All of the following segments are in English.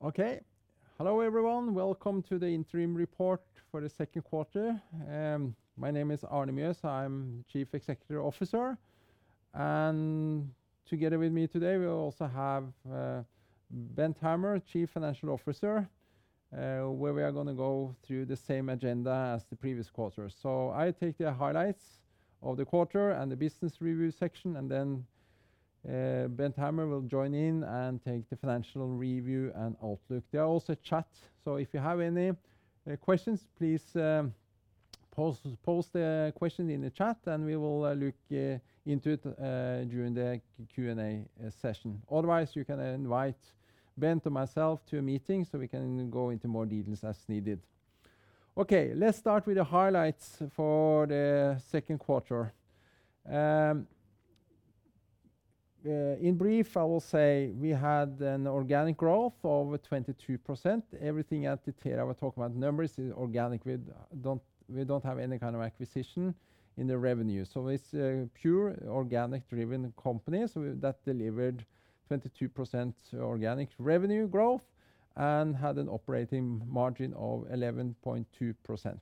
Okay. Hello, everyone. Welcome to the interim report for the second quarter. My name is Arne Mjøs. I'm Chief Executive Officer. Together with me today, we also have Bent Hammer, Chief Financial Officer, where we are gonna go through the same agenda as the previous quarter. I take the highlights of the quarter and the business review section, and then Bent Hammer will join in and take the financial review and outlook. There are also chat, so if you have any questions, please post the question in the chat, and we will look into it during the Q&A session. Otherwise, you can invite Bent or myself to a meeting so we can go into more details as needed. Okay, let's start with the highlights for the second quarter. In brief, I will say we had an organic growth of over 22%. Everything at Itera, we talk about numbers is organic. We don't have any kind of acquisition in the revenue. It's pure organic-driven company. That delivered 22% organic revenue growth and had an operating margin of 11.2%.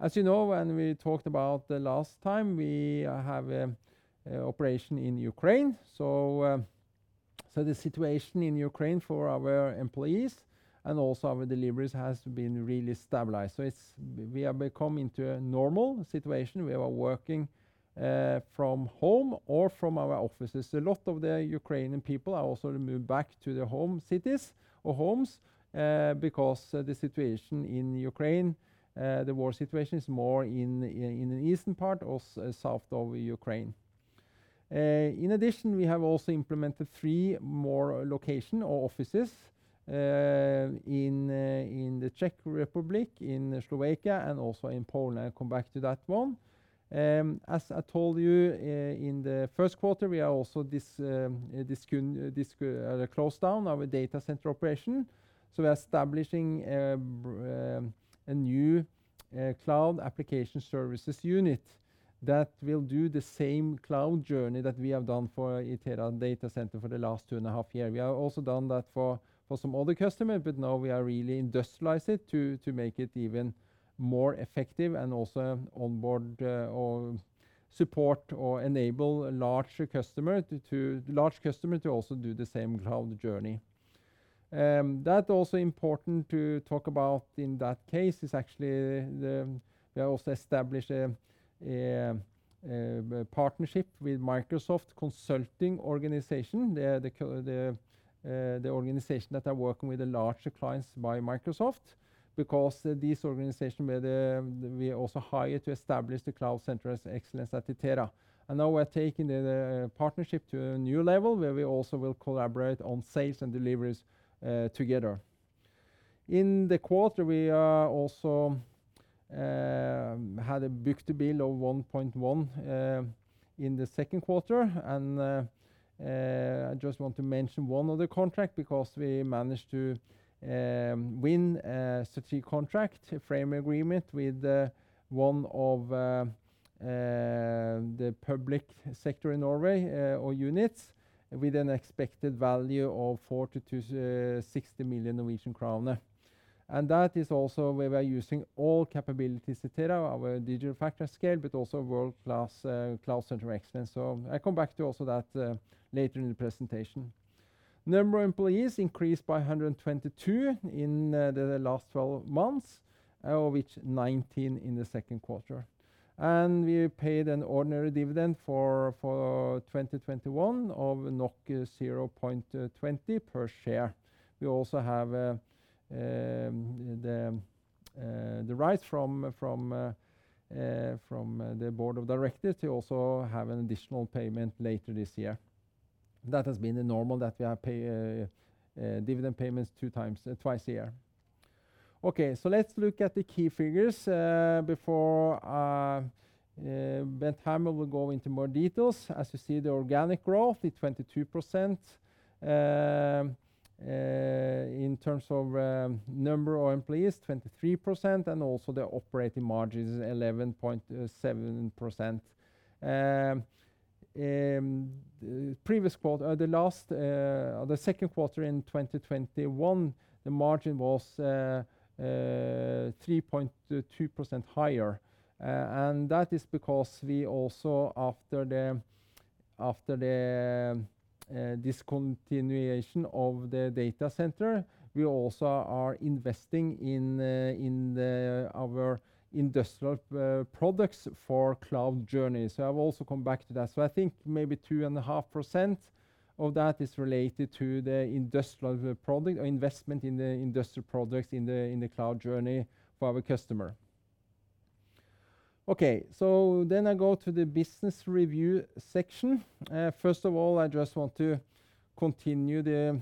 As you know, when we talked about the last time, we have operation in Ukraine. The situation in Ukraine for our employees and also our deliveries has been really stabilized. We have come into a normal situation. We are working from home or from our offices. A lot of the Ukrainian people are also moved back to their home cities or homes, because the situation in Ukraine, the war situation is more in the eastern part or south of Ukraine. In addition, we have also implemented three more location or offices in the Czech Republic, in Slovakia, and also in Poland. I'll come back to that one. As I told you in the first quarter, we are also close down our data center operation. We're establishing a new cloud application services unit that will do the same cloud journey that we have done for Itera Data Center for the last two and a half year. We have also done that for some other customer, but now we are really industrializing it to make it even more effective and also onboard or support or enable a larger customer to also do the same cloud journey. That's also important to talk about in that case. Actually, we have also established a partnership with Microsoft Consulting Services, the organization that are working with the larger clients by Microsoft, because these organizations we also hired to establish the Cloud Center of Excellence at Itera. Now we're taking the partnership to a new level where we also will collaborate on sales and deliveries together. In the quarter, we also had a book-to-bill of 1.1 in the second quarter. I just want to mention one other contract because we managed to win a strategic contract, a frame agreement with one of the public sector in Norway or units with an expected value of 40 million-60 million Norwegian kroner. That is also where we are using all capabilities at Itera, our digital factory, but also world-class Cloud Center of Excellence. I come back to that also later in the presentation. Number of employees increased by 122 in the last 12 months, of which 19 in the second quarter. We paid an ordinary dividendw for 2021 of 0.20 per share. We also have the rights from the board of directors to also have an additional payment later this year. That has been the normal that we have paid dividend payments twice a year. Okay, let's look at the key figures before Bent Hammer will go into more details. As you see, the organic growth is 22%. In terms of number of employees, 23%, and also the operating margin is 11.7%. Previous quarter or the last, the second quarter in 2021, the margin was 3.2% higher. That is because we also, after the discontinuation of the data center, we also are investing in our industrial products for cloud journey. I will also come back to that. I think maybe 2.5% of that is related to the industrial product or investment in the industrial products in the cloud journey for our customer. Okay. I go to the business review section. First of all, I just want to continue the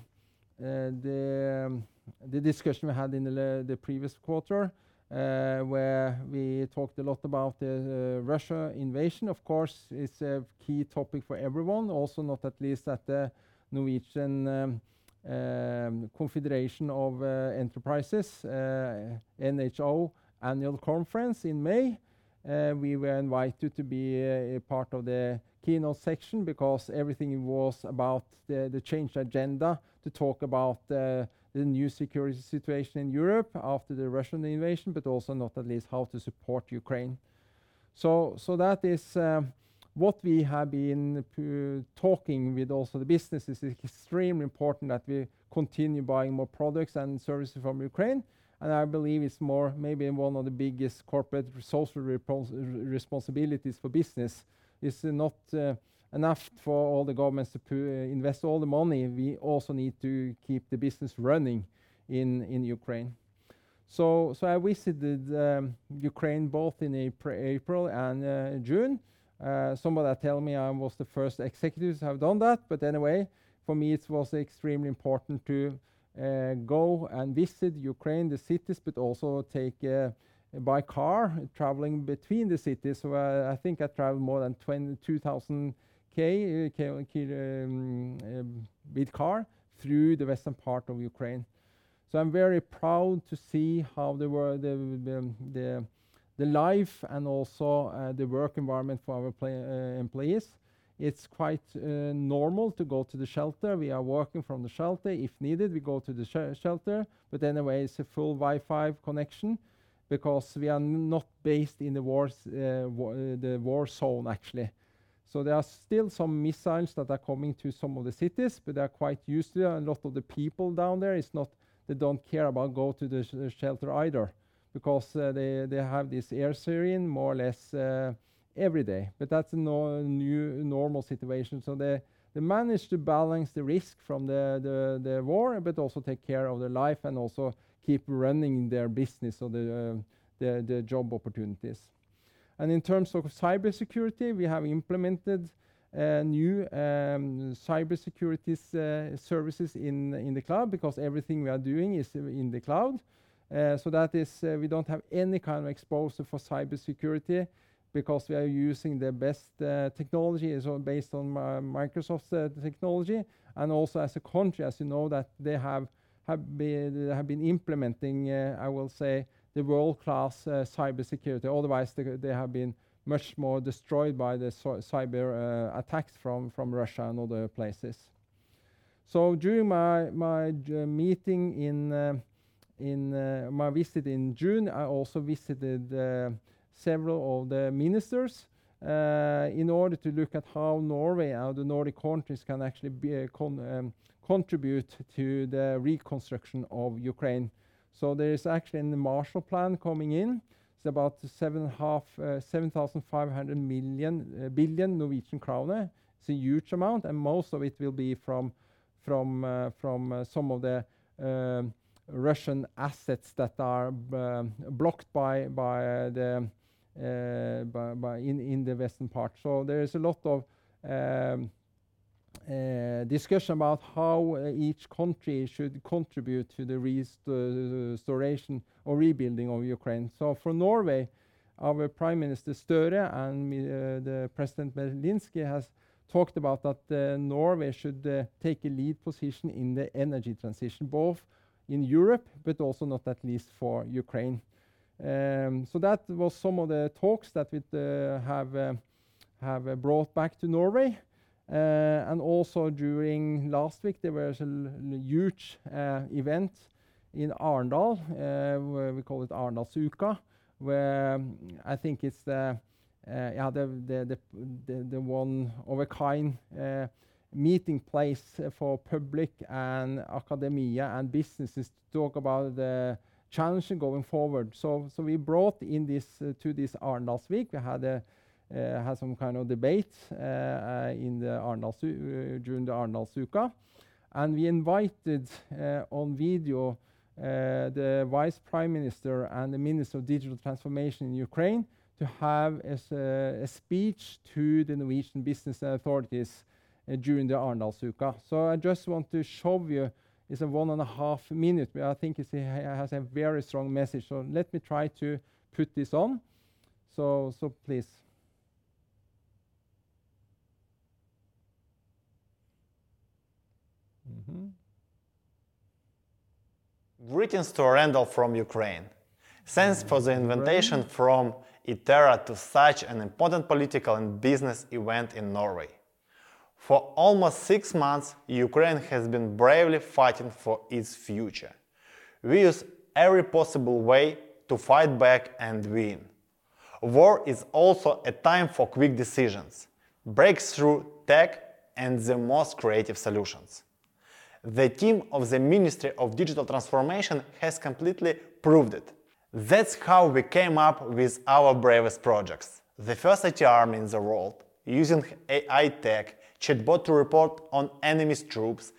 discussion we had in the previous quarter, where we talked a lot about the Russian invasion, of course, is a key topic for everyone. Also, not least at the Norwegian Confederation of Enterprises, NHO annual conference in May. We were invited to be a part of the keynote section because everything was about the change agenda to talk about the new security situation in Europe after the Russian invasion, but also not least how to support Ukraine. That is what we have been talking with also the businesses. It's extremely important that we continue buying more products and services from Ukraine. I believe it's more maybe one of the biggest corporate social responsibilities for business. It's not enough for all the governments to invest all the money. We also need to keep the business running in Ukraine. I visited Ukraine both in April and June. Someone told me I was the first executive to have done that. Anyway, for me, it was extremely important to go and visit Ukraine, the cities, but also take by car traveling between the cities, where I think I traveled more than 22,000 km with car through the western part of Ukraine. I'm very proud to see how they were the life and also the work environment for our people employees. It's quite normal to go to the shelter. We are working from the shelter. If needed, we go to the shelter, but anyway, it's a full Wi-Fi connection because we are not based in the war zone, actually. There are still some missiles that are coming to some of the cities, but they are quite used to it. A lot of the people down there is not... They don't care about going to the shelter either because they have this air siren more or less every day. Tha t's the new normal situation. They manage to balance the risk from the war, but also take care of their life and also keep running their business or the job opportunities. In terms of cybersecurity, we have implemented a new cybersecurity services in the cloud because everything we are doing is in the cloud. That is, we don't have any kind of exposure for cybersecurity because we are using the best technology. It's all based on Microsoft's technology. Also as a country, as you know, that they have been implementing, I will say, the world-class cybersecurity. Otherwise, they have been much more destroyed by the so-called cyber attacks from Russia and other places. During my visit in June, I also visited several of the ministers in order to look at how Norway, how the Nordic countries can actually contribute to the reconstruction of Ukraine. There is actually the Marshall Plan coming in. It's about 7.5 billion Norwegian kroner. It's a huge amount, and most of it will be from some of the Russian assets that are blocked in the western part. There is a lot of discussion about how each country should contribute to the restoration or rebuilding of Ukraine. For Norway, our Prime Minister Støre and the President Zelenskyy has talked about that, Norway should take a lead position in the energy transition, both in Europe, but also not least for Ukraine. That was some of the talks that we'd have brought back to Norway. During last week, there was a huge event in Arendal, where we call it Arendalsuka, where I think it's the one of a kind meeting place for public and academia and businesses to talk about the challenges going forward. We brought in this to this Arendals Week. We had some kind of debate in Arendal during the Arendalsuka. We invited on video the Vice Prime Minister and the Minister of Digital Transformation in Ukraine to have a speech to the Norwegian business authorities during the Arendalsuka. I just want to show you. It's a 1.5-minute, but I think it has a very strong message. Let me try to put this on. Please. Greetings to Arendal from Ukraine. Thanks for the invitation from Itera to such an important political and business event in Norway. For almost six months, Ukraine has been bravely fighting for its future. We use every possible way to fight back and win. War is also a time for quick decisions, breakthrough tech, and the most creative solutions. The team of the Ministry of Digital Transformation has completely proved it. That's how we came up with our bravest projects. The first IT army in the world using AI tech, chatbot to report on enemy's troops,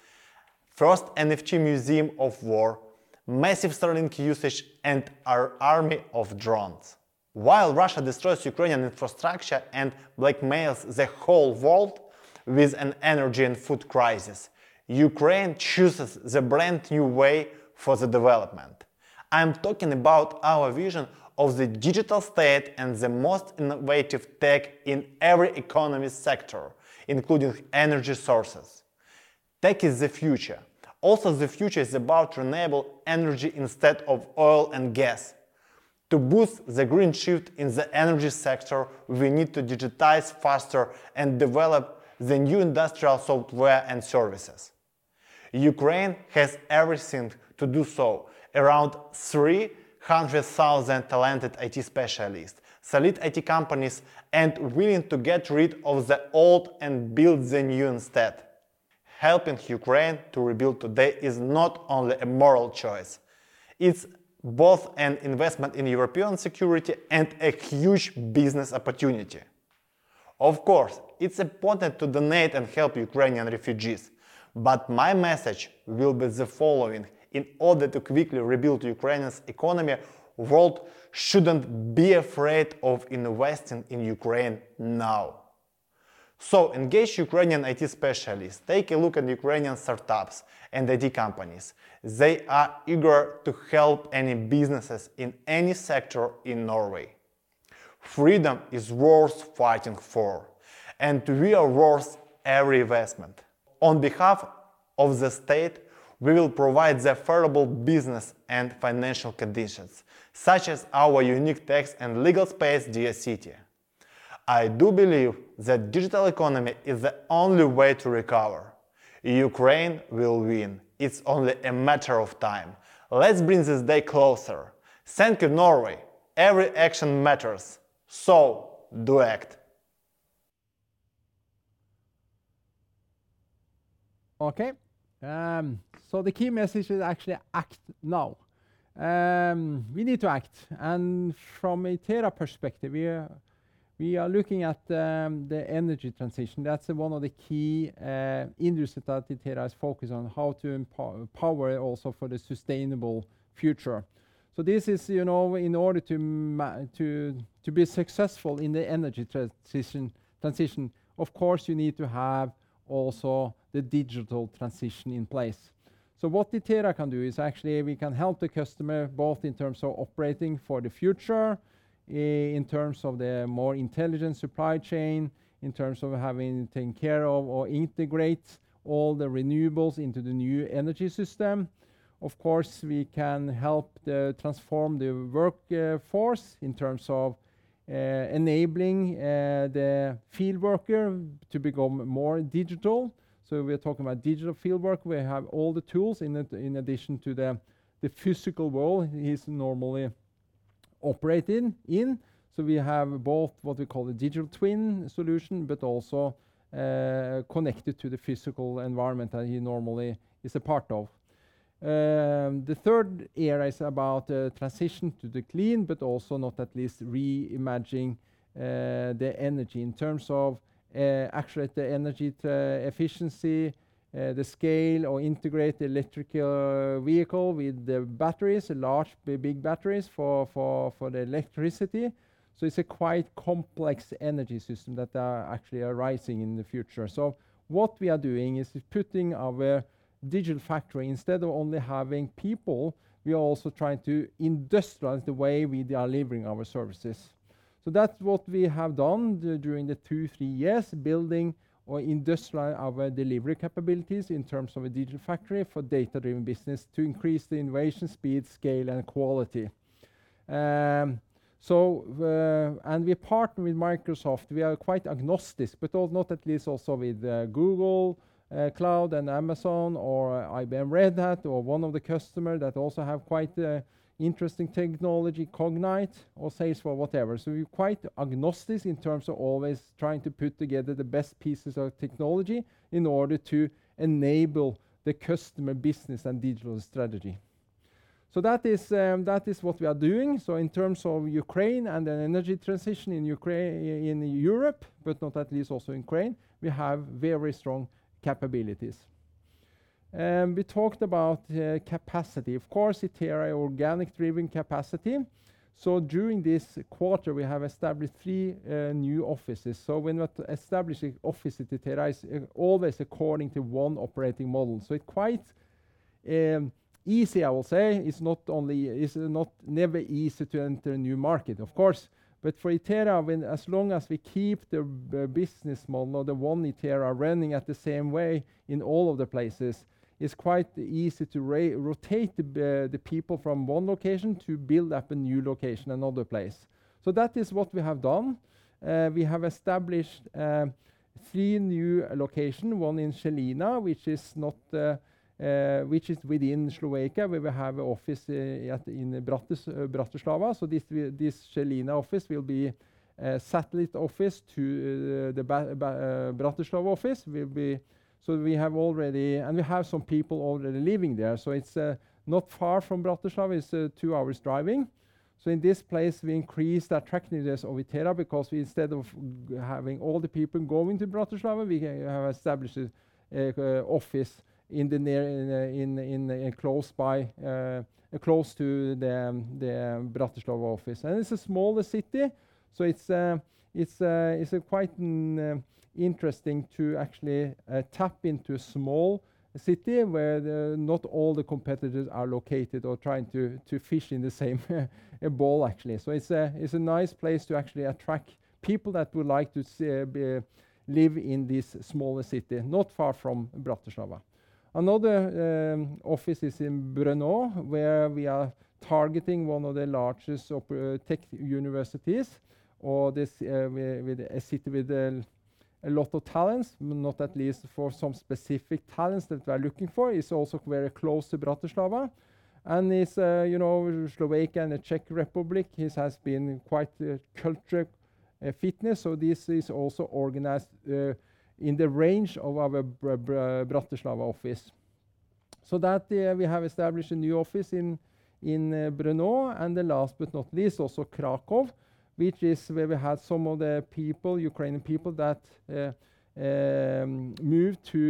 first NFT museum of war, massive Starlink usage and our army of drones. While Russia destroys Ukrainian infrastructure and blackmails the whole world with an energy and food crisis, Ukraine chooses the brand new way for the development. I'm talking about our vision of the digital state and the most innovative tech in every economy sector, including energy sources. Tech is the future. Also, the future is about renewable energy instead of oil and gas. To boost the green shift in the energy sector, we need to digitize faster and develop the new industrial software and services. Ukraine has everything to do so. Around 300,000 talented IT specialists, solid IT companies, and willing to get rid of the old and build the new instead. Helping Ukraine to rebuild today is not only a moral choice, it's both an investment in European security and a huge business opportunity. Of course, it's important to donate and help Ukrainian refugees, but my message will be the following. In order to quickly rebuild Ukraine's economy, world shouldn't be afraid of investing in Ukraine now. Engage Ukrainian IT specialists, take a look at Ukrainian startups and IT companies. They are eager to help any businesses in any sector in Norway. Freedom is worth fighting for, and we are worth every investment. On behalf of the state, we will provide the affordable business and financial conditions, such as our unique tax and legal space, Diia City. I do believe that digital economy is the only way to recover. Ukraine will win. It's only a matter of time. Let's bring this day closer. Thank you, Norway. Every action matters, so do act. Okay. The key message is actually act now. We need to act. From Itera's perspective, we are looking at the energy transition. That's one of the key industry that Itera is focused on, how to empower also for the sustainable future. This is, you know, in order to be successful in the energy transition. Of course, you need to have also the digital transition in place. What Itera can do is actually we can help the customer both in terms of operating for the future, in terms of the more intelligent supply chain, in terms of having taken care of or integrate all the renewables into the new energy system. Of course, we can help to transform the workforce in terms of enabling the field worker to become more digital. We're talking about digital field work. We have all the tools in addition to the physical world he's normally operating in. We have both what we call the digital twin solution, but also connected to the physical environment that he normally is a part of. The third area is about transition to the clean, but also not least reimagining the energy in terms of actually the energy efficiency, the scale or integrate the electric vehicle with the batteries, large big batteries for the electricity. It's a quite complex energy system that actually arising in the future. What we are doing is putting our digital factory. Instead of only having people, we are also trying to industrialize the way we are delivering our services. That's what we have done during the two, three years, building our industrial delivery capabilities in terms of a digital factory for data-driven business to increase the innovation, speed, scale, and quality. We partner with Microsoft. We are quite agnostic, but at least also with Google Cloud and Amazon or IBM Red Hat or one of the customer that also have quite interesting technology, Cognite or Salesforce, whatever. We're quite agnostic in terms of always trying to put together the best pieces of technology in order to enable the customer business and digital strategy. That is what we are doing. In terms of Ukraine and the energy transition in Ukraine in Europe, but at least also in Ukraine, we have very strong capabilities. We talked about capacity. Of course, Itera organic driven capacity. During this quarter, we have established three new offices. When establishing office at Itera is always according to one operating model. It's quite easy, I will say. It's not never easy to enter a new market, of course. But for Itera, as long as we keep the business model, the one Itera running at the same way in all of the places, it's quite easy to rotate the people from one location to build up a new location, another place. That is what we have done. We have established three new location, one in Žilina, which is within Slovakia, where we have office in Bratislava. This Žilina office will be a satellite office to the Bratislava office. We have some people already living there. It's not far from Bratislava. It's two hours driving. In this place, we increase attractiveness of Itera because instead of having all the people going to Bratislava, we have established office in the near, close by, close to the Bratislava office. It's a smaller city, it's quite interesting to actually tap into a small city where not all the competitors are located or trying to fish in the same bowl, actually. It's a nice place to actually attract people that would like to live in this smaller city, not far from Bratislava. Another office is in Brno, where we are targeting one of the largest tech universities, or it's a city with a lot of talents, not least for some specific talents that we are looking for. It's also very close to Bratislava, and you know, Slovakia and the Czech Republic, it has been quite a cultural fit, so this is also organized in the range of our Bratislava office. That we have established a new office in Brno, and last but not least, also Kraków, which is where we had some of the people, Ukrainian people that moved to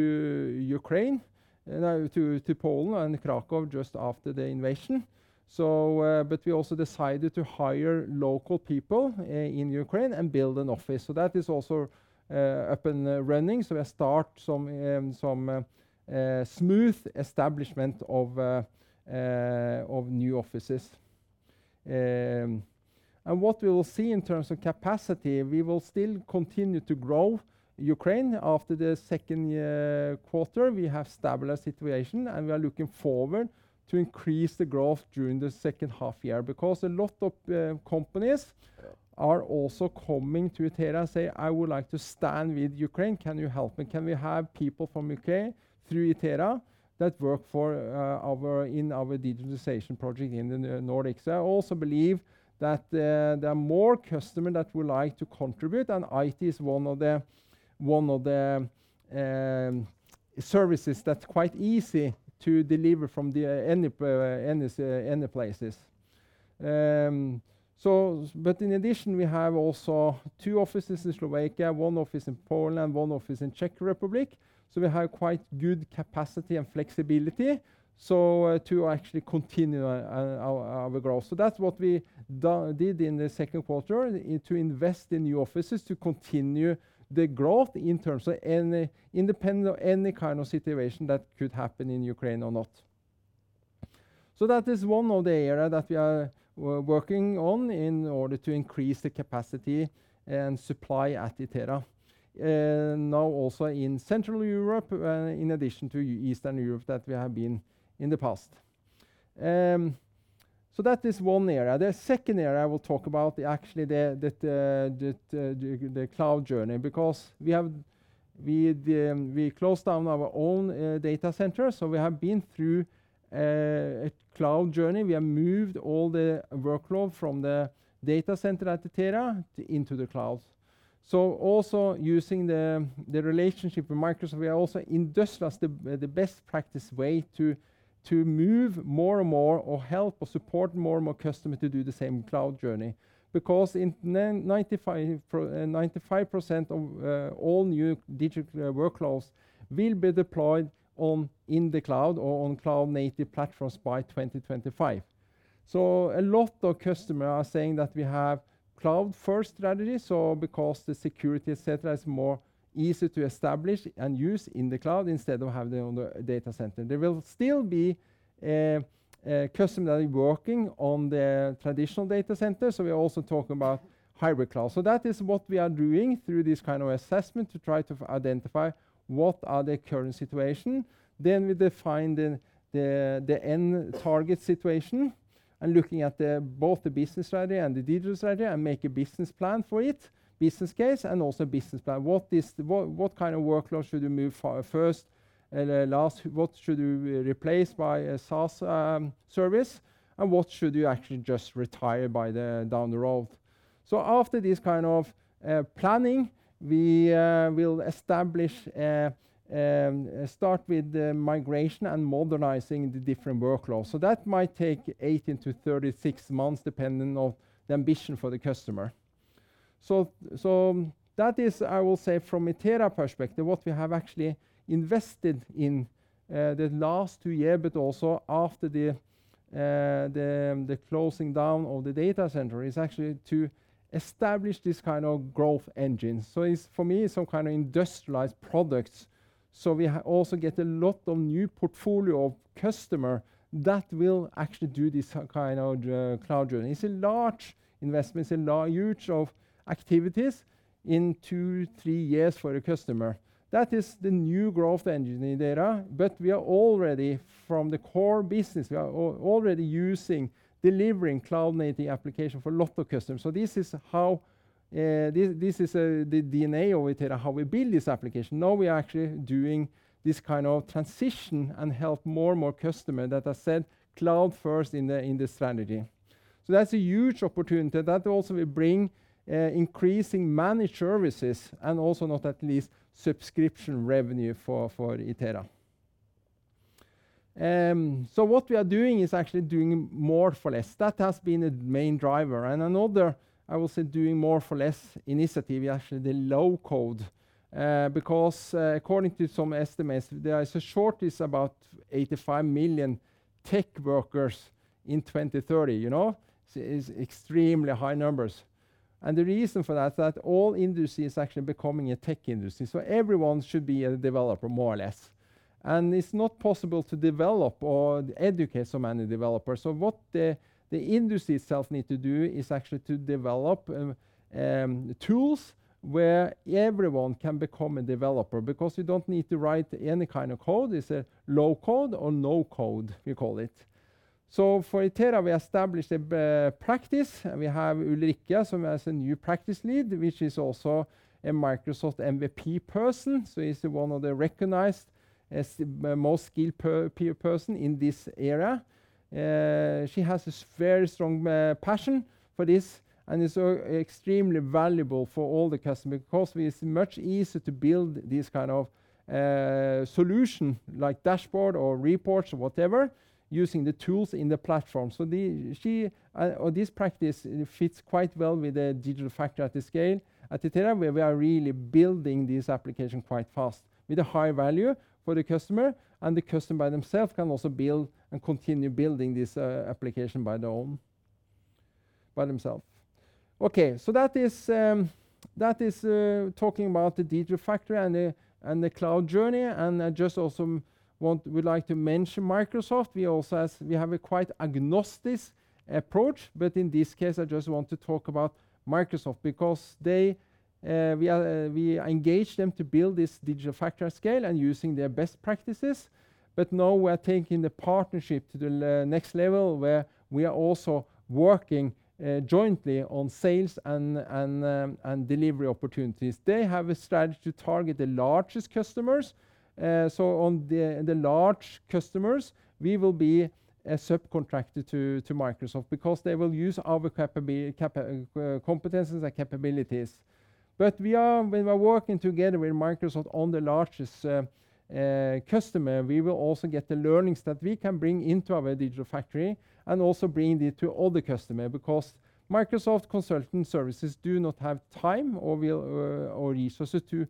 Poland and Kraków just after the invasion. We also decided to hire local people in Ukraine and build an office. That is also up and running. We start some smooth establishment of new offices. What we will see in terms of capacity, we will still continue to grow Ukraine. After the second quarter, we have stabilized situation, and we are looking forward to increase the growth during the second half year because a lot of companies are also coming to Itera and say, "I would like to stand with Ukraine. Can you help me? Can we have people from Ukraine through Itera that work for in our digitalization project in the Nordics?" I also believe that there are more customer that would like to contribute, and IT is one of the services that's quite easy to deliver from any places. But in addition, we have also two offices in Slovakia, one office in Poland, one office in Czech Republic. We have quite good capacity and flexibility, so to actually continue our growth. That's what we did in the second quarter to invest in new offices to continue the growth in terms of independent of any kind of situation that could happen in Ukraine or not. That is one of the area that we are working on in order to increase the capacity and supply at Itera, now also in Central Europe, in addition to Eastern Europe that we have been in the past. That is one area. The second area I will talk about, the cloud journey because we closed down our own data center, so we have been through a cloud journey. We have moved all the workload from the data center at Itera into the cloud. Also using the relationship with Microsoft, we are also industrializing the best practice way to move more and more or help or support more and more customer to do the same cloud journey because 95% of all new digital workloads will be deployed in the cloud or on cloud-native platforms by 2025. A lot of customer are saying that we have cloud-first strategy, because the security, et cetera, is more easy to establish and use in the cloud instead of having it on the data center. There will still be customer that are working on the traditional data center, so we are also talking about hybrid cloud. That is what we are doing through this kind of assessment to try to identify what are their current situation. We define the end target situation and looking at both the business strategy and the digital strategy and make a business plan for it, business case and also business plan. What kind of workload should you move first and last? What should you replace by a SaaS service? What should you actually just retire down the road? After this kind of planning, we will start with the migration and modernizing the different workloads. That might take 18-36 months, depending on the ambition for the customer. That is, I will say from Itera perspective, what we have actually invested in the last two years, but also after the closing down of the data center is actually to establish this kind of growth engine. It's, for me, it's some kind of industrialized products. We also get a lot of new portfolio of customer that will actually do this kind of cloud journey. It's a large investment. It's a large use of activities in two, three years for a customer. That is the new growth engine in Itera, but we are already from the core business, we are already using delivering cloud-native application for a lot of customers. This is how this is the DNA of Itera, how we build this application. Now we are actually doing this kind of transition and help more and more customer that has said cloud first in the, in the strategy. That's a huge opportunity. That also will bring increasing managed services and also not least subscription revenue for Itera. What we are doing is actually doing more for less. That has been a main driver. Another, I will say, doing more for less initiative is actually the low-code because according to some estimates, there is a shortage about 85 million tech workers in 2030. It's extremely high numbers. The reason for that is that all industry is actually becoming a tech industry. Everyone should be a developer more or less. It's not possible to develop or educate so many developers. What the industry itself need to do is actually to develop tools where everyone can become a developer because you don't need to write any kind of code. It's low-code or no-code, we call it. For Itera, we established a practice and we have Ulrikke as a new practice lead, which is also a Microsoft MVP person. She is one of the recognized as the most skilled person in this area. She has this very strong passion for this and is extremely valuable for all the customer because it is much easier to build this kind of solution, like dashboard or reports or whatever, using the tools in the platform. She or this practice fits quite well with the digital factory at the scale. At Itera, we are really building this application quite fast with a high value for the customer, and the customer by themself can also build and continue building this application by their own, by themself. That is talking about the digital factory and the cloud journey, and I just also would like to mention Microsoft. We also have a quite agnostic approach, but in this case, I just want to talk about Microsoft because we engage them to build this digital factory scale and using their best practices. Now we are taking the partnership to the next level, where we are also working jointly on sales and delivery opportunities. They have a strategy to target the largest customers. On the large customers, we will be a subcontractor to Microsoft because they will use our competences and capabilities. We are working together with Microsoft on the largest customer. We will also get the learnings that we can bring into our digital factory and also bring it to other customer, because Microsoft Consulting Services do not have time or will or resources to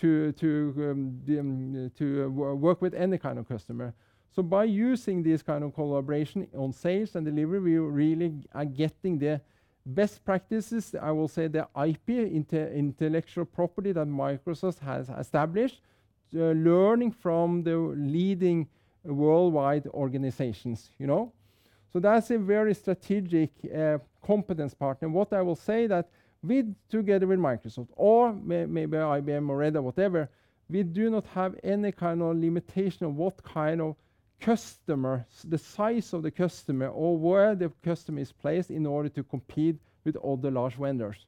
work with any kind of customer. By using this kind of collaboration on sales and delivery, we really are getting the best practices, I will say, the IP, intellectual property that Microsoft has established, the learning from the leading worldwide organizations, you know. That's a very strategic competence partner. What I will say that with together with Microsoft or maybe IBM or Red Hat, whatever, we do not have any kind of limitation on what kind of customer, the size of the customer or where the customer is placed in order to compete with other large vendors.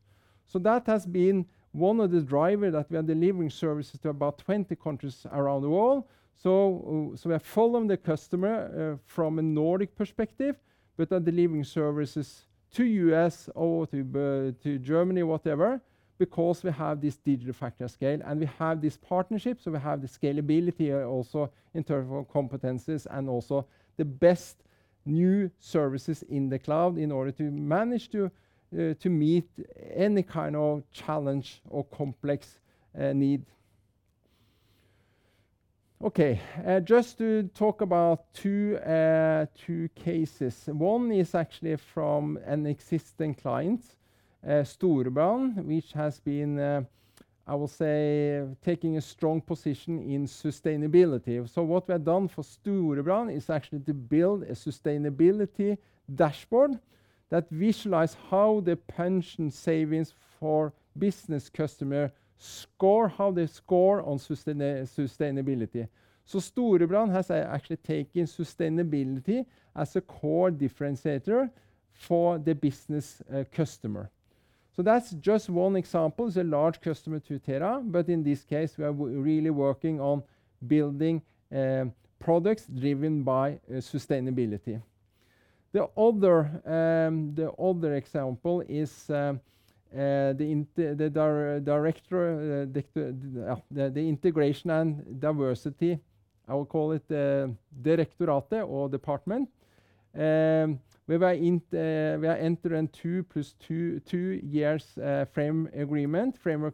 That has been one of the driver that we are delivering services to about 20 countries around the world. We are following the customer from a Nordic perspective, but are delivering services to U.S. or to Germany, whatever, because we have this digital factory scale, and we have this partnership, so we have the scalability also in terms of our competencies and also the best new services in the cloud in order to manage to meet any kind of challenge or complex need. Okay, just to talk about two cases. One is actually from an existing client, Storebrand, which has been, I will say, taking a strong position in sustainability. What we have done for Storebrand is actually to build a sustainability dashboard that visualize how the pension savings for business customer score, how they score on sustainability. Storebrand has actually taken sustainability as a core differentiator for the business customer. That's just one example, is a large customer to Itera, but in this case, we are really working on building products driven by sustainability. The other example is the integration and diversity, I will call it the directorate or department, whereby we are entering two-plus-two-year framework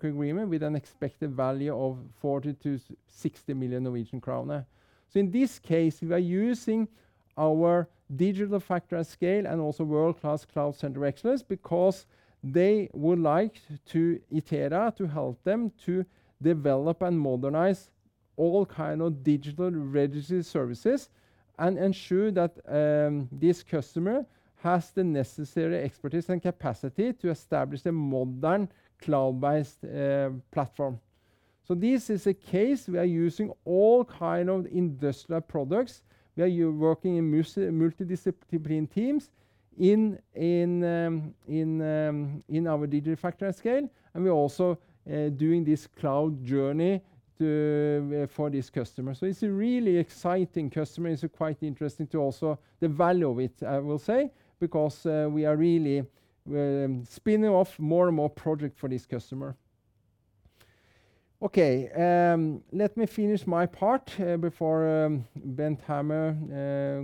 agreement with an expected value of 40 million-60 million Norwegian kroner. In this case, we are using our digital factory scale and also world-class Cloud Center of Excellence because they would like Itera to help them to develop and modernize all kind of digital registry services and ensure that this customer has the necessary expertise and capacity to establish a modern cloud-based platform. This is a case we are using all kind of industrial products. We are working in multidiscipline teams in our digital factory scale, and we are also doing this cloud journey to for this customer. It's a really exciting customer. It's quite interesting to also the value of it, I will say, because we are really spinning off more and more project for this customer. Okay, let me finish my part before Bent Hammer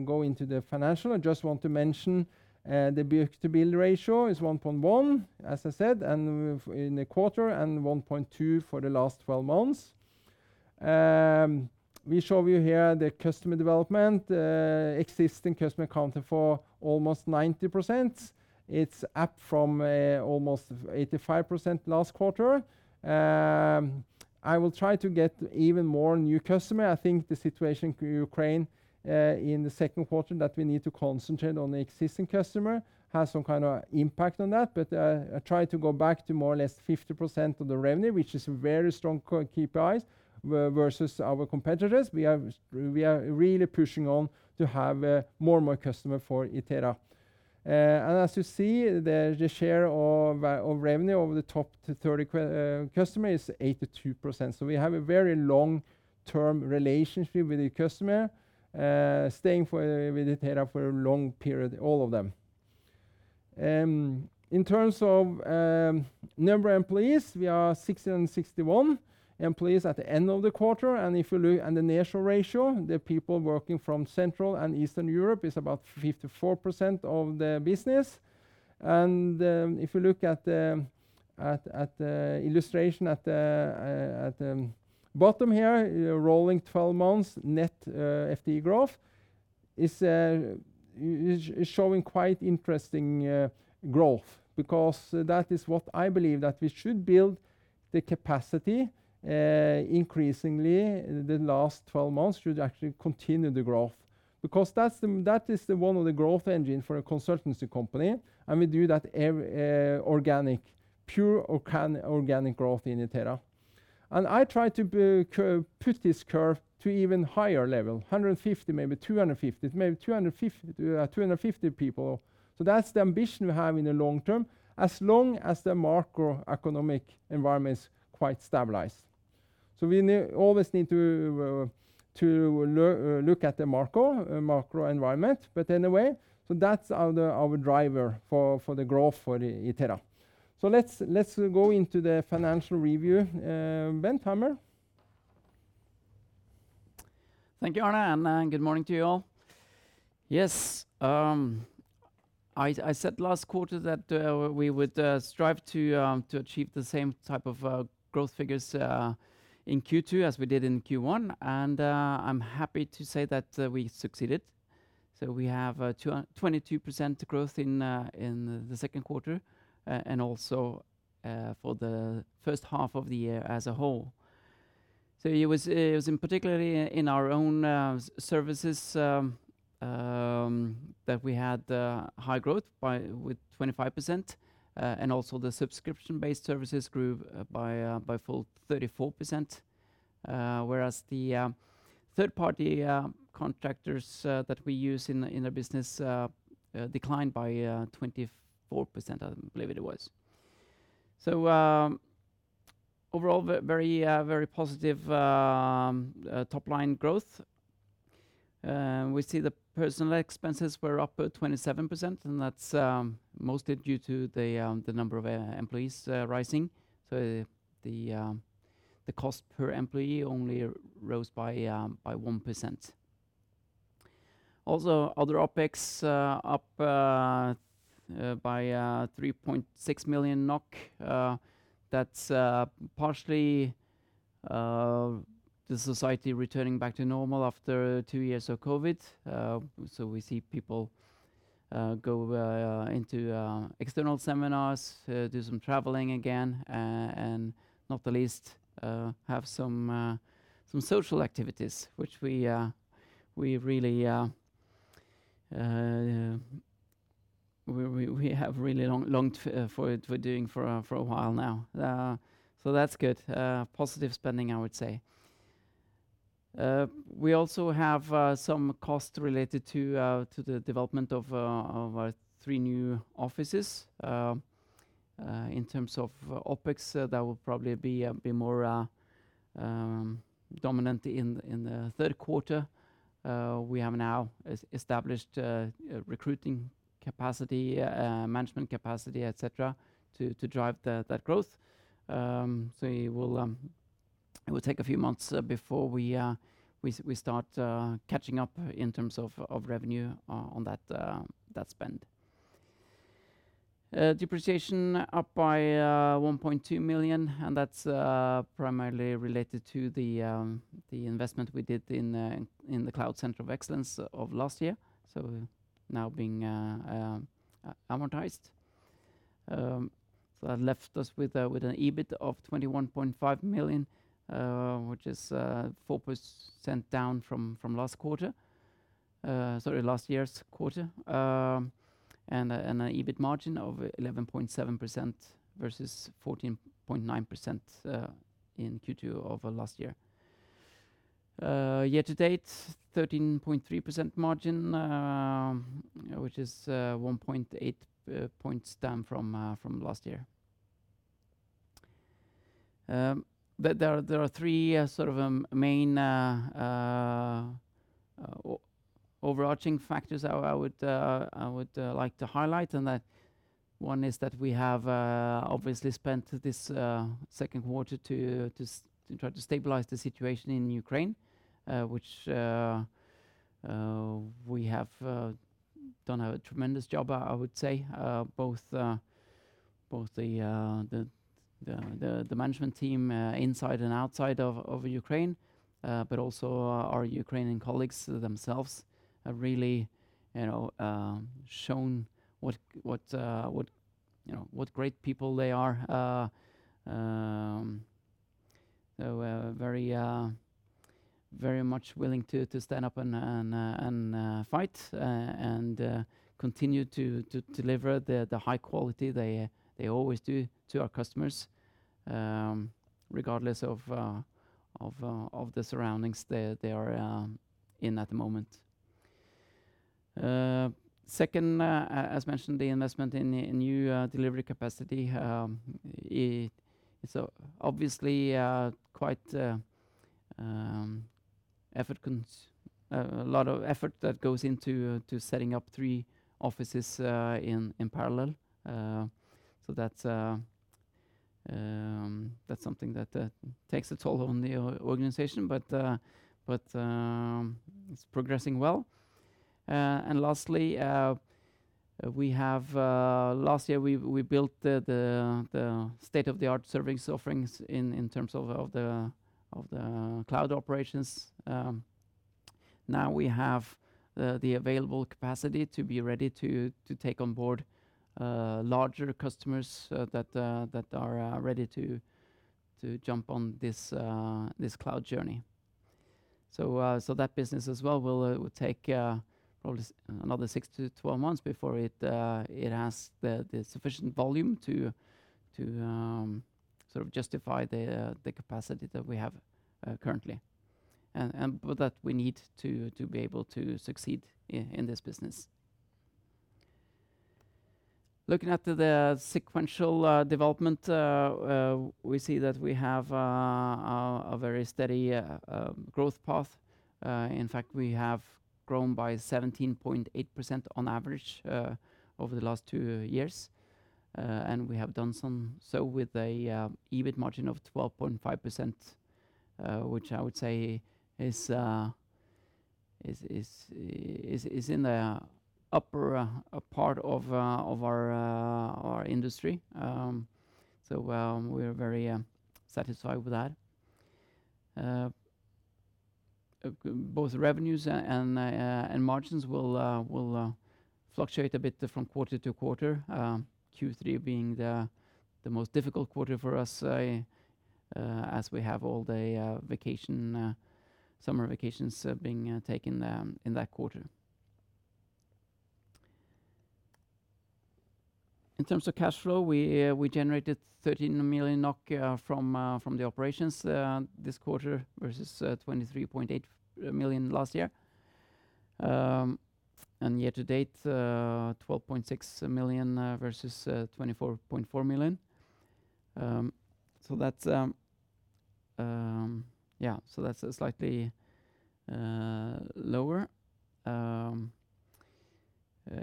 go into the financial. I just want to mention the book-to-bill ratio is 1.1, as I said, and in the quarter and 1.2 for the last twelve months. We show you here the customer development, existing customer accounting for almost 90%. It's up from almost 85% last quarter. I will try to get even more new customer. I think the situation in Ukraine in the second quarter that we need to concentrate on the existing customer has some kind of impact on that. I try to go back to more or less 50% of the revenue, which is very strong KPIs versus our competitors. We are really pushing on to have more and more customer for Itera. As you see, the share of revenue over the top 30 customer is 82%. We have a very long-term relationship with the customer staying with Itera for a long period, all of them. In terms of number of employees, we are 60 and 61 employees at the end of the quarter. If you look at the utilization ratio, the people working from Central and Eastern Europe is about 54% of the business. If you look at the illustration at the bottom here, rolling twelve months net FTE growth is showing quite interesting growth because that is what I believe that we should build the capacity increasingly. The last twelve months should actually continue the growth. That is one of the growth engines for a consultancy company, and we do that organic, pure organic growth in Itera. I try to put this curve to even higher level, 150, maybe 250, maybe 250 people. That's the ambition we have in the long term, as long as the macroeconomic environment is quite stabilized. We always need to look at the macro environment. Anyway, that's our driver for the growth for Itera. Let's go into the financial review. Bent Hammer. Thank you, Arne, and good morning to you all. Yes, I said last quarter that we would strive to achieve the same type of growth figures in Q2 as we did in Q1, and I'm happy to say that we succeeded. We have 22% growth in the second quarter, and also for the first half of the year as a whole. It was particularly in our own services that we had the high growth by, with 25%, and also the subscription-based services grew by full 34%, whereas the third party contractors that we use in the business declined by 24%, I believe it was. Overall, very positive top-line growth. We see the personnel expenses were up 27%, and that's mostly due to the number of employees rising. The cost per employee only rose by 1%. Also, other OpEx up by 3.6 million NOK. That's partially the society returning back to normal after two years of COVID. We see people go into external seminars, do some traveling again, and not the least, have some social activities, which we really longed for doing for a while now. That's good. Positive spending, I would say. We also have some costs related to the development of three new offices. In terms of OpEx, that will probably be more dominant in the third quarter. We have now established recruiting capacity, management capacity, et cetera, to drive that growth. It will take a few months before we start catching up in terms of revenue on that spend. Depreciation up by 1.2 million, and that's primarily related to the investment we did in the Cloud Center of Excellence of last year. Now being amortized. That left us with an EBIT of 21.5 million, which is 4% down from last year's quarter. An EBIT margin of 11.7% versus 14.9% in Q2 of last year. Year to date, 13.3% margin, which is 1.8 points down from last year. There are three sort of main overarching factors I would like to highlight, and that one is that we have obviously spent this second quarter to try to stabilize the situation in Ukraine, which we have done a tremendous job, I would say. Both the management team inside and outside of Ukraine, but also our Ukrainian colleagues themselves have really, you know, shown what, you know, what great people they are. They were very much willing to stand up and fight and continue to deliver the high quality they always do to our customers, regardless of the surroundings they are in at the moment. Second, as mentioned, the investment in a new delivery capacity, it's obviously a lot of effort that goes into setting up three offices in parallel. That's something that takes a toll on the organization, but it's progressing well. Lastly, last year we built the state-of-the-art service offerings in terms of the cloud operations. Now we have the available capacity to be ready to take on board larger customers that are ready to jump on this cloud journey. That business as well will take probably another six-12 months before it has the sufficient volume to sort of justify the capacity that we have currently and with that, we need to be able to succeed in this business. Looking at the sequential development, we see that we have a very steady growth path. In fact, we have grown by 17.8% on average over the last 2 years. We have done so with an EBIT margin of 12.5%, which I would say is in the upper part of our industry. We're very satisfied with that. Both revenues and margins will fluctuate a bit from quarter to quarter. Q3 being the most difficult quarter for us, as we have all the summer vacations being taken in that quarter. In terms of cash flow, we generated 13 million NOK from the operations this quarter versus 23.8 million last year. Year to date, 12.6 million versus 24.4 million. That's slightly lower.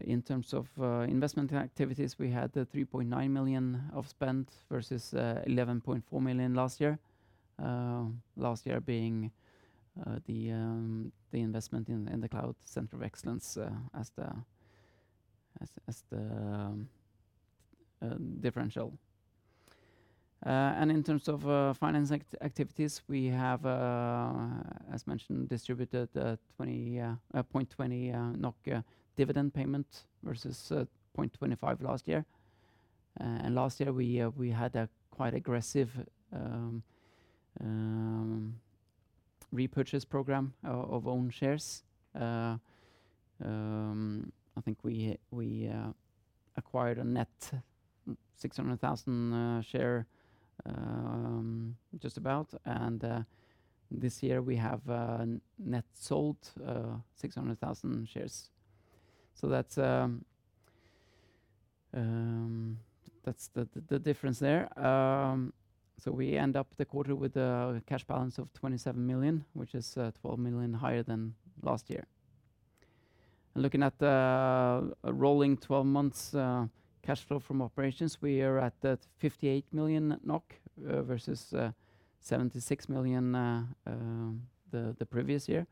In terms of investment activities, we had 3.9 million of spend versus 11.4 million last year. Last year being the investment in the Cloud Center of Excellence as the differential. In terms of finance activities, we have, as mentioned, distributed NOK 0.20 dividend payment versus NOK 0.25 last year. Last year we had a quite aggressive repurchase program of own shares. I think we acquired a net 600,000 shares just about. This year we have net sold 600,000 shares. That's the difference there. We ended the quarter with a cash balance of 27 million, which is 12 million higher than last year. Looking at the rolling 12 months cash flow from operations, we are at 58 million NOK versus 76 million the previous year.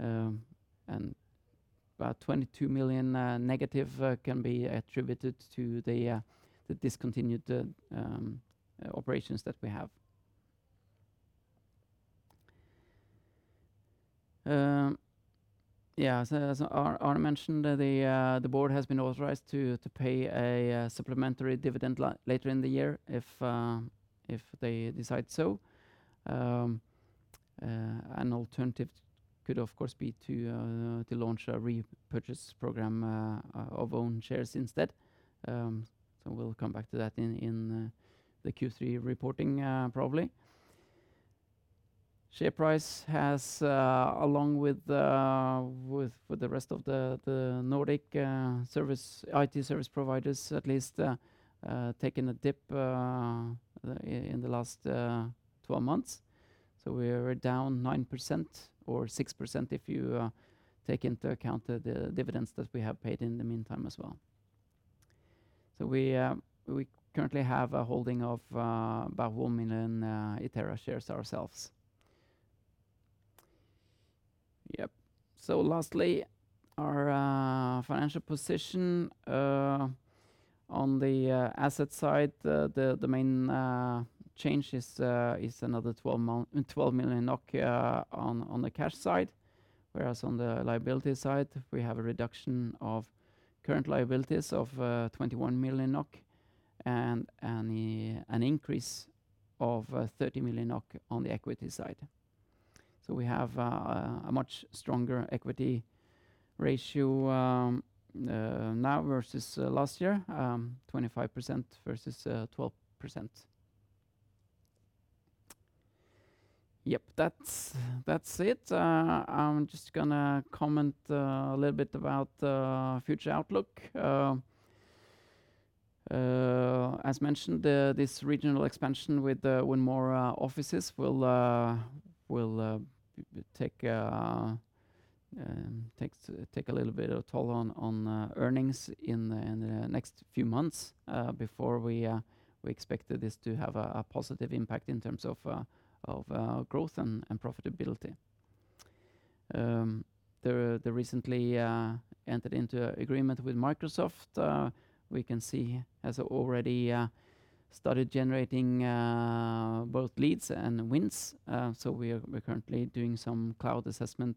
About 22 million negative can be attributed to the discontinued operations that we have. As Arne mentioned, the board has been authorized to pay a supplementary dividend later in the year if they decide so. An alternative could of course be to launch a repurchase program of own shares instead. We'll come back to that in the Q3 reporting, probably. Share price has along with the rest of the Nordic IT service providers at least taken a dip in the last 12 months. We are down 9% or 6% if you take into account the dividends that we have paid in the meantime as well. We currently have a holding of about 1 million Itera shares ourselves. Yep. Lastly, our financial position on the asset side, the main change is another 12 million on the cash side. Whereas on the liability side, we have a reduction of current liabilities of 21 million NOK and an increase of 30 million NOK on the equity side. We have a much stronger equity ratio now versus last year, 25% versus 12%. Yep, that's it. I'm just gonna comment a little bit about future outlook. As mentioned, this regional expansion with more offices will take a little bit of toll on earnings in the next few months before we expect this to have a positive impact in terms of growth and profitability. We recently entered into agreement with Microsoft we can see has already started generating both leads and wins. We're currently doing some cloud assessment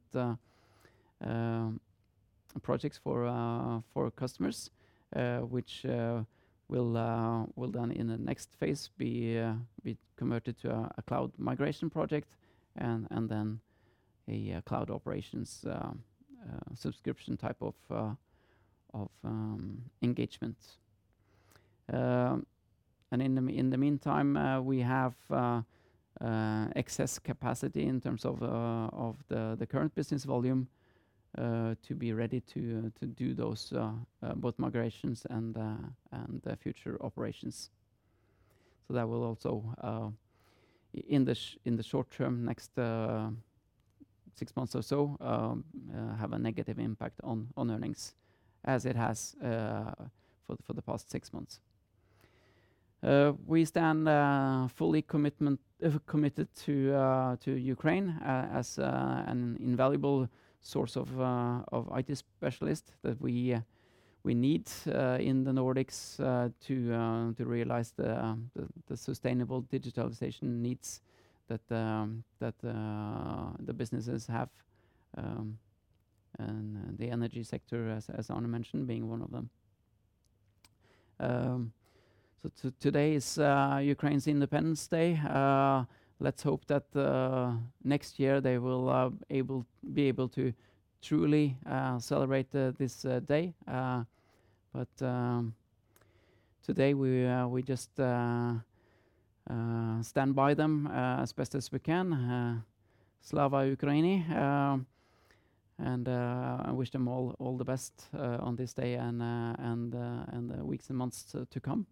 projects for customers, which will then in the next phase be converted to a cloud migration project and then a cloud operations subscription type of engagement. In the meantime, we have excess capacity in terms of the current business volume to be ready to do those both migrations and the future operations. That will also in the short term, next six months or so, have a negative impact on earnings as it has for the past six months. We stand fully committed to Ukraine as an invaluable source of IT specialists that we need in the Nordics to realize the sustainable digitalization needs that the businesses have, and the energy sector as Arne mentioned, being one of them. Today is Ukraine's Independence Day. Let's hope that next year they will be able to truly celebrate this day. Today we just stand by them as best as we can. Slava Ukraini. I wish them all the best on this day and the weeks and months to come.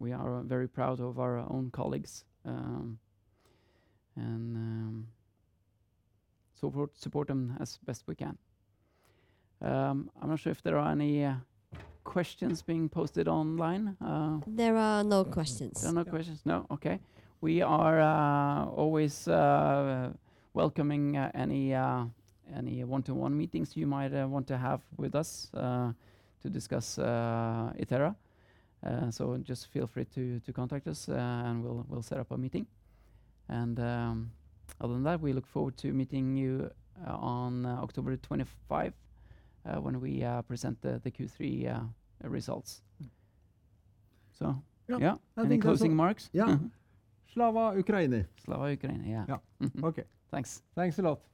We are very proud of our own colleagues and support them as best we can. I'm not sure if there are any questions being posted online. There are no questions. There are no questions? No? Okay. We are always welcoming any one-to-one meetings you might want to have with us to discuss Itera. So just feel free to contact us and we'll set up a meeting. Other than that, we look forward to meeting you on October 25 when we present the Q3 results. Yeah. Yeah. Any closing remarks? Yeah. Slava Ukraini. Slava Ukraini. Yeah. Yeah. Okay. Thanks a lot.